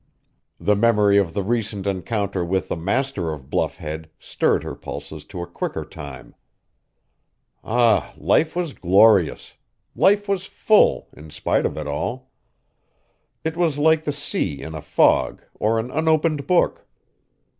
The memory of the recent encounter with the master of Bluff Head stirred her pulses to a quicker time. Ah, life was glorious! Life was full, in spite of all. It was like the sea in a fog or an unopened book.